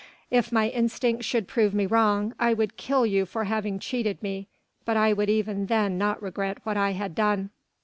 If my instinct should prove me wrong, I would kill you for having cheated me, but I would even then not regret what I had done."